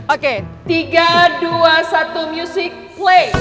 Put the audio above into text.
oke tiga dua satu music play